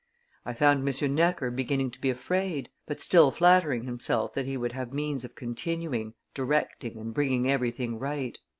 I found M. Necker beginning to be afraid, but still flattering himself that he would have means of continuing, directing, and bringing everything right."